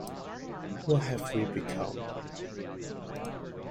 What have we become?